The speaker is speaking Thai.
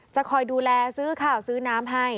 จะคอยดูแลซื้อข้าวซื้อน้ำให้